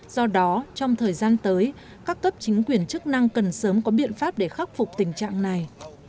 do đó trong thời gian tới các cấp chính quyền chức năng cần sớm có biện pháp để khắc phục tình trạng này